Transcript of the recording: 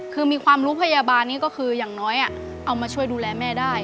คือมีความรู้พยาบาลนี้ก็คืออย่างน้อยเอามาช่วยดูแลแม่ได้